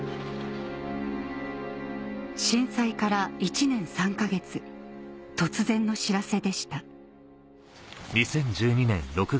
震災から１年３か月突然の知らせでした